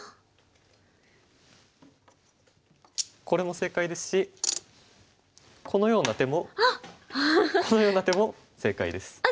これも正解ですしこのような手もこのような手も正解です。